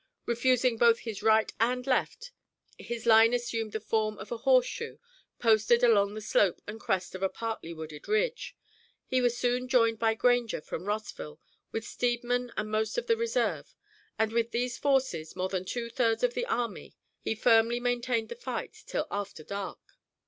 Refusing both his right and left, his line assumed the form of a horseshoe, posted along the slope and crest of a partly wooded ridge. He was soon joined by Granger from Rossville, with Steedman and most of the reserve; and with these forces, more than two thirds of the army, he firmly maintained the fight till after dark.